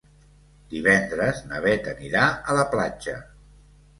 Divendres na Bet anirà a la platja.